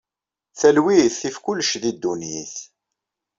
Talwit tif kullec di ddunit.